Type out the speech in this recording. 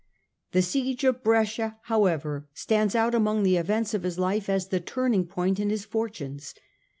The siege of Brescia, however, stands out among the events of his life as the turning point in his fortunes.